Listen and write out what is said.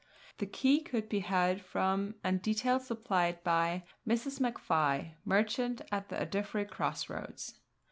The key could be had from, and details supplied by, Mrs. MacFie, merchant at the Ardiffery cross roads.